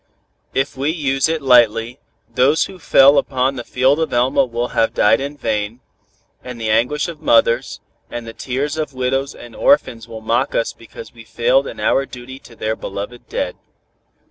If we use it lightly, those who fell upon the field of Elma will have died in vain, and the anguish of mothers, and the tears of widows and orphans will mock us because we failed in our duty to their beloved dead.